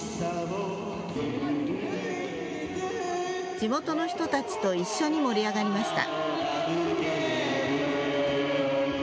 地元の人たちと一緒に盛り上がりました。